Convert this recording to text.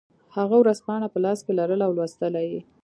هغه ورځپاڼه په لاس کې لرله او لوستله یې